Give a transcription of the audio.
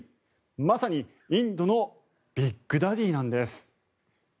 まさにインドのビッグダディなんです。